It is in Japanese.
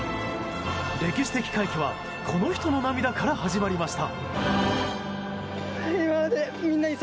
歴史的快挙はこの人の涙から始まりました。